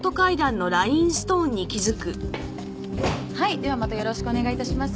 ではまたよろしくお願い致します。